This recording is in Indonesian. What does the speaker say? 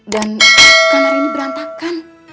dan kamar ini berantakan